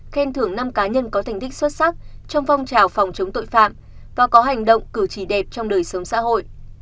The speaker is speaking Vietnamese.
khen thưởng năm cá nhân có thành tích xuất sắc trong phong trào phòng chống tội phạm và có hành động cử trì đẹp trong đời sống xã hội